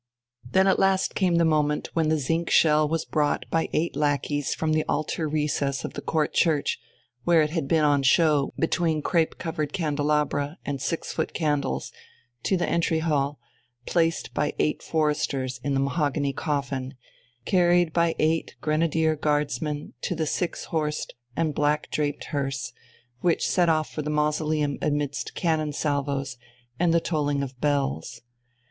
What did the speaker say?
Then at last came the moment when the zinc shell was brought by eight lackeys from the altar recess of the Court Church, where it had been on show between crape covered candelabra and six foot candles, to the entry hall, placed by eight foresters in the mahogany coffin, carried by eight Grenadier Guardsmen to the six horsed and black draped hearse, which set off for the mausoleum amidst cannon salvos and the tolling of bells.